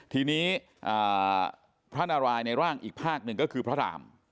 ทีนี้พระนารายในร่างอีกภาคหนึ่งก็คือพระราม